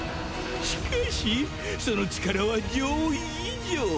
しかしその力は上位以上！